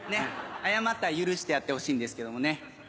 謝ったら許してやってほしいんですけどもね。